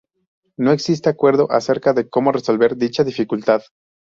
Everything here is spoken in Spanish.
No existe acuerdo acerca de cómo resolver dicha dificultad.